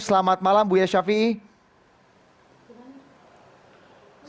selamat malam buya syafiee